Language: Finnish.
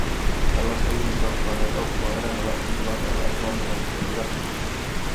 Tällaista ihmiskauppaa tai kauppaa hädänalaisten tilanteella ei Suomen hallitus hyväksy.